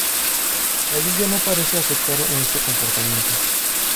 La lluvia no parece afectar a este comportamiento.